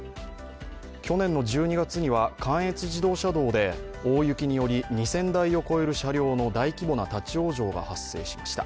去年の１２月には関越自動車道で大雪により２０００台を超える車両の大規模な立往生が発生しました。